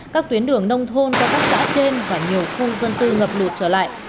các tuyến đường nông thôn có các xã trên và nhiều khung dân tư ngập lụt trở lại